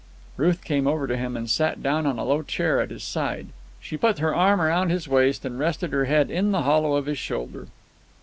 Ruth came over to him and sat down on a low chair at his side. She put her arm round his waist and rested her head in the hollow of his shoulder.